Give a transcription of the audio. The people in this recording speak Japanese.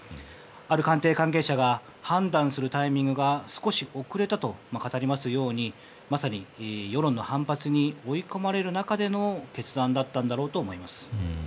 ある官邸関係者が判断するタイミングが少し遅れたと語りますようにまさに、世論の反発に追い込まれる中での決断だったんだろうと思います。